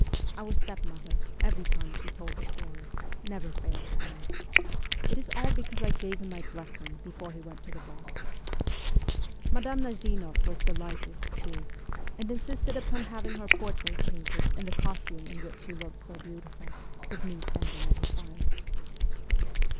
Our stepmother, every time she told the story, never failed to add, ' It is all be cause I gave him my blessing before he went to the ball.' Madame Nazfmoff was delighted, too, and insisted upon having her portrait painted in the costume in which she looked so beautiful, with me standing at her side.